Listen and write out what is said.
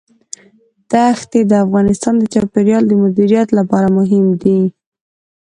دښتې د افغانستان د چاپیریال د مدیریت لپاره مهم دي.